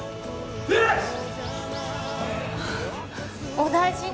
お大事に。